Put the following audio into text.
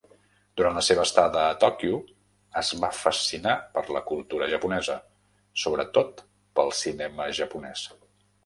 Durant la seva estada a Tòquio, es va fascinar per la cultura japonesa, sobretot pel cinema japonès.